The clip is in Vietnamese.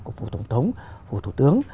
của phủ tổng thống phủ thủ tướng